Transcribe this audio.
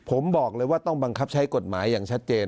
ผมบอกเลยว่าต้องบังคับใช้กฎหมายอย่างชัดเจน